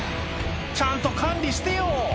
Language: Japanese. ちゃんと管理してよ